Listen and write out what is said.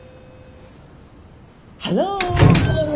ハロー！